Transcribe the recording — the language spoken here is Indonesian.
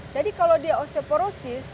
jadi kalau dia osteoporosis